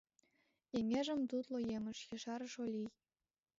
— Кеҥежым — тутло емыж, — ешарыш Олий.